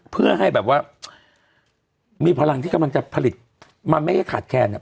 เพื่อให้แบบว่ามีพลังที่กำลังจะผลิตมันไม่ให้ขาดแคลนอ่ะ